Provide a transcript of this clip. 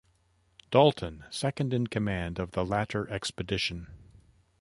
Dalton, second-in-command of the latter expedition.